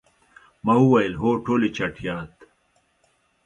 ما وویل، هو، ټولې چټیات.